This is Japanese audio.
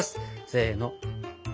せの。